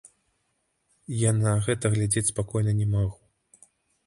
Я на гэта глядзець спакойна не магу.